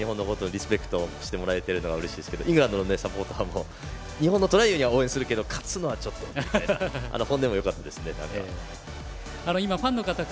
日本をリスペクトしてくれているのはうれしいですけどイングランドのファンの方が日本のトライには応援するけど勝つのはちょっとっていう本音がよかったですね。